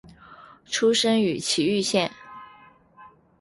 出身于崎玉县。